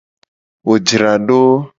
Wo jra do.